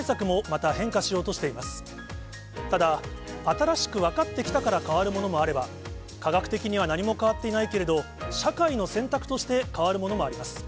ただ、新しく分かってきたから変わるものもあれば、科学的には何も変わっていないけれど、社会の選択として変わるものもあります。